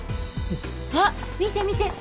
あっ見て見て。